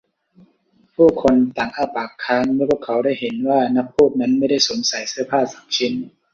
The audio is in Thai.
ผู้คนต่างอ้าปากค้างเมื่อพวกเขาได้เห็นว่านักพูดนั้นไม่ได้สวมใส่เสื้อผ้าสักชิ้น